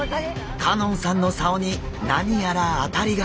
香音さんの竿に何やら当たりが！